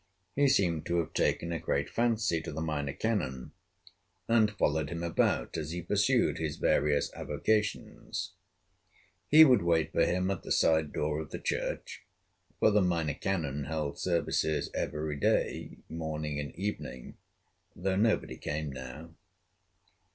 He seemed to have taken a great fancy to the Minor Canon, and followed him about as he pursued his various avocations. He would wait for him at the side door of the church, for the Minor Canon held services every day, morning and evening, though nobody came now.